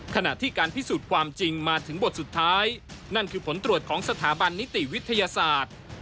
ขณะที่การพิสูจน์ความจริงมาถึงบทสุดท้ายนั่นคือผลตรวจของสถาบันนิติวิทยาศาสตร์